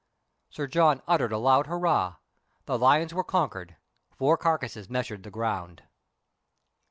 Sir John uttered a loud hurrah. The lions were con quered, four carcasses measured the ground.